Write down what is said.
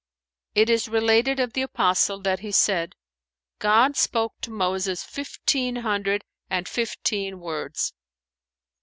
"It is related of the Apostle that he said, 'God spoke to Moses fifteen hundred and fifteen words.'"